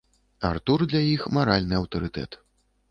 Артур для іх маральны аўтарытэт.